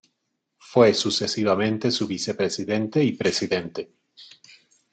Fue sucesivamente su vicepresidente y presidente.